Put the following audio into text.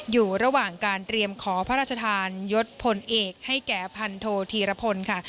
อยู่ระหว่างการเตรียมขอพระราชทานยศพลเอกให้แก่พันโทธีรพลค่ะ